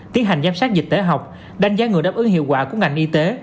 tiến hành giám sát dịch tễ học đánh giá người đáp ứng hiệu quả của ngành y tế